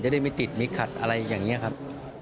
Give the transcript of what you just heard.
ได้ไม่ติดไม่ขัดอะไรอย่างนี้ครับ